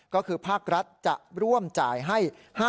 ก็คือภาครัฐจะร่วมจ่ายให้